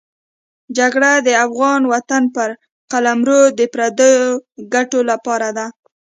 جګړه د افغان وطن پر قلمرو د پردو ګټو لپاره ده.